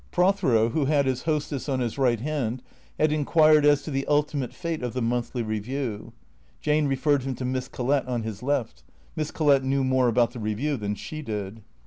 Prothero, who had his hostess on his right hand, had inquired as to the ultimate fate of the " Monthly Eeview." Jane referred him to Miss Collett on his left. Miss Collett knew more about the Eeview than she did.